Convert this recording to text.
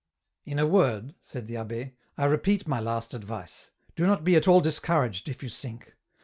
"In a word," said the abbe, "I repeat my last advice: do not be at all discouraged if you sink.